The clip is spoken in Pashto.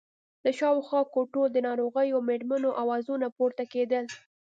له شاوخوا کوټو د ناروغو مېرمنو آوازونه پورته کېدل.